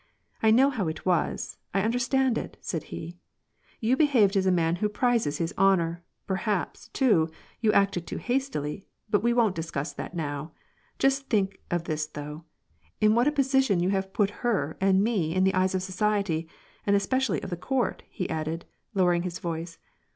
I know how it was, I understand it," said he. You behaved as a man who prizes his honor ; perhaps, too, you acted too hastiljj, but we won't discuss that now. Just think of this though : in what a position you have put her and me in the eyes of society, and especially of the court," he added, lowering his voice.